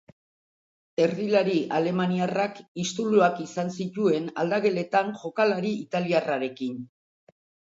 Erdilari alemaniarrak istuluak izan zituen aldageletan jokalari italiarrarekin.